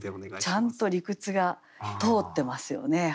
ちゃんと理屈が通ってますよね。